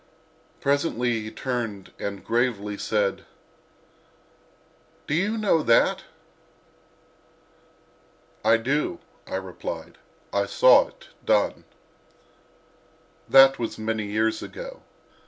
Presently he turned and gravely said: "Do you know that?" "I do," I replied; "I saw it done." That was many years ago.